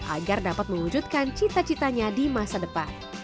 agar dapat mewujudkan cita citanya di masa depan